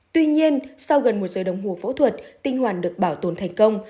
tuy nhiên sau gần một giờ đồng hồ phẫu thuật tinh hoàn được bảo tồn thành công